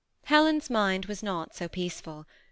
Helen's mind was not so peaceful.